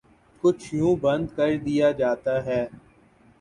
کچھ یوں بند کردیا جاتا ہے